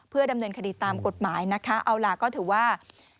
ดำเนินคดีตามกฎหมายนะคะเอาล่ะก็ถือว่า